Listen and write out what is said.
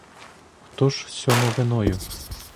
Хто ж сьому виною?